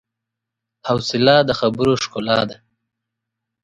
حوصله د خبرو ښکلا ده.